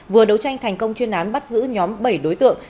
vừa đấu tranh thành công chuyên án bắt giữ nhóm bảy đối tượng